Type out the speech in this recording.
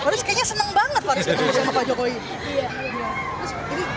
faris kayaknya senang banget pak jokowi